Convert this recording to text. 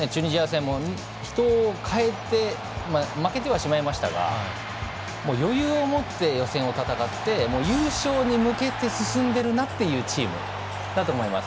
人を代えて負けてはしまいましたが余裕を持って予選を戦って優勝に向けて進んでいるなっていうチームだと思います